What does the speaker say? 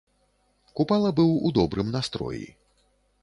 Купала быў у добрым настроі.